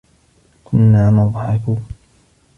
كنّا نضحك.